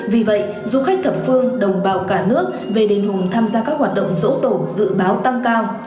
vì vậy du khách thập phương đồng bào cả nước về đền hùng tham gia các hoạt động dỗ tổ dự báo tăng cao